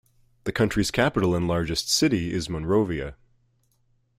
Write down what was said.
The country's capital and largest city is Monrovia.